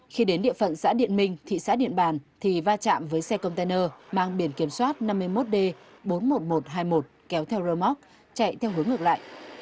khi đến địa phận xã điện minh thị xã điện bàn thì va chạm với xe container mang biển kiểm soát năm mươi một d bốn mươi một nghìn một trăm hai mươi một kéo theo rơ móc chạy theo hướng ngược lại